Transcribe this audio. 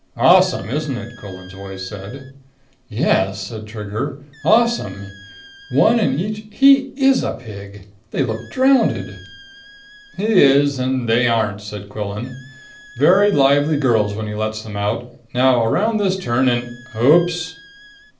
"Awesome, isn't it?" Quillan's voice said. "Yes," said Trigger. "Awesome. One in each he is a pig! They look drowned." "He is and they aren't," said Quillan. "Very lively girls when he lets them out. Now around this turn and ... oops!"